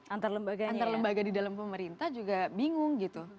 antar lembaga di dalam pemerintah juga bingung gitu